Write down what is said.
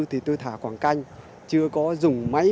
thì tôi thả quảng canh chưa có dùng máy